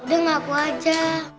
udah ngaku aja